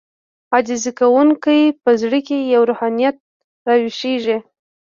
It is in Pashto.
عاجزي کوونکی په زړه کې يې روحانيت راويښېږي.